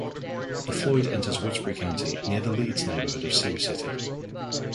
The Floyd enters Woodbury County near the Leeds neighborhood of Sioux City.